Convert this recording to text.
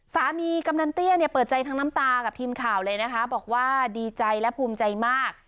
กำนันเตี้ยเนี่ยเปิดใจทั้งน้ำตากับทีมข่าวเลยนะคะบอกว่าดีใจและภูมิใจมาก